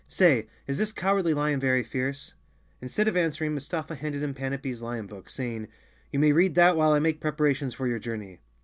Say, is this Cowardly Lion very fierce?" Instead of answering, Mustafa handed him Pana pee's lion book, saying, "You may read that while I make preparations for your journey."